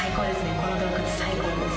この洞窟最高です。